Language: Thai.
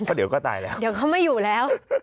เพราะเดี๋ยวก็ตายแล้วเดี๋ยวเขาไม่อยู่แล้ว